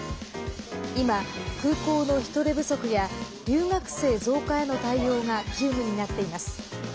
今、空港の人手不足や留学生増加への対応が急務になっています。